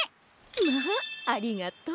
まあありがとう。